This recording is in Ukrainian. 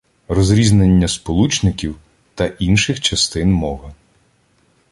Розрізнення сполучників та інших частин мови